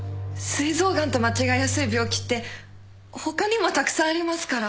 膵臓がんと間違えやすい病気って他にもたくさんありますから。